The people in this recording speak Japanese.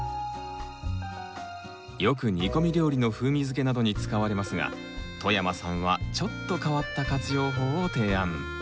よく煮込み料理の風味づけなどに使われますが外山さんはちょっと変わった活用法を提案。